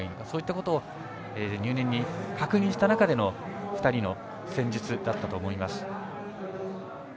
そういうことを入念に確認したあとでの２人の戦術だったと思います。